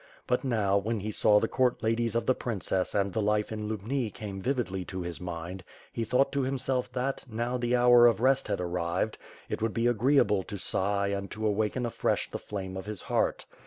But now, when he saw the court ladies of the princessand the life in Lubni came vividly to his mind, he thought to himself that, now the hour of rest had arrived, it would be agreeable to sigh and to awaken afresh the flame of his heart.